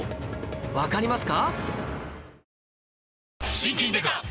わかりますか？